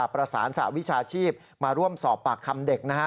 ประสานสหวิชาชีพมาร่วมสอบปากคำเด็กนะฮะ